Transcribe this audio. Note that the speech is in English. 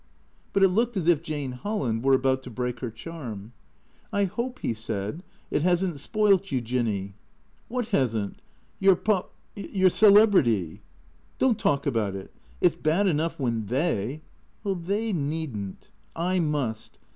But it looked as if Jane Holland were about to break her charm. " I hope," he said, " it has n't spoilt you, Jinny ?" "What hasn't?" " Your pop — your celebrity." " Don't talk about it. It 's bad enough when they "" They need n't. I must.